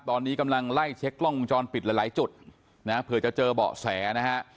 ตอนนี้กำลังไล่เช็คกล้องวงจรปิดหลายจุดนะเผื่อจะเจอเบาะแสนะฮะ